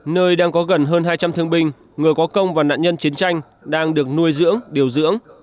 nơi đang có gần hơn hai trăm linh thương binh người có công và nạn nhân chiến tranh đang được nuôi dưỡng điều dưỡng